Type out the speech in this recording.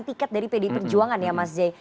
tiket dari pdi perjuangan ya mas jay